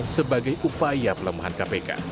sebagai upaya pelemahan kpk